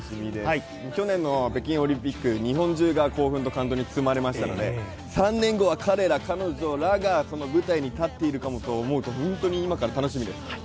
去年の北京オリンピック、日本中が感動と興奮に包まれましたので３年後は彼ら、彼女らがその舞台に立っているかと思うと本当に今から楽しみです。